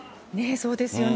そうですよね。